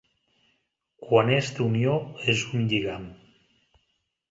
Quan és d'unió és un lligam.